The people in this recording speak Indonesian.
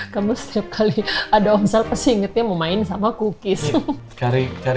kamu setiap kali ada